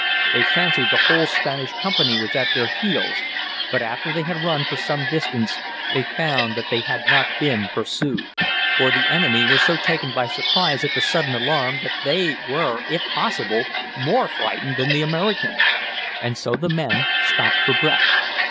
They fancied the whole Spanish company was at their heels; but after they had run for some distance they found that they had not been pursued. For the enemy were so taken by surprise at the sudden alarm that they were if possible more frightened than the Americans. And so the men stopped for breath.